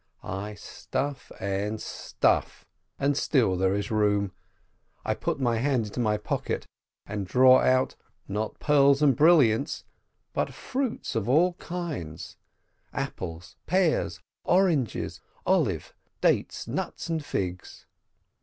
I stuff and stuff, and still there is room! I put my hand into my pocket, and draw out — not pearls and brilliants, but fruits of all kinds — apples, pears, oranges, olives, dates, nuts, and figs.